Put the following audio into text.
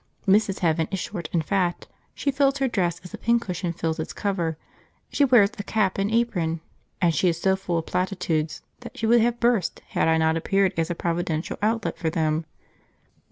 Mrs. Heaven is short and fat; she fills her dress as a pin cushion fills its cover; she wears a cap and apron, and she is so full of platitudes that she would have burst had I not appeared as a providential outlet for them.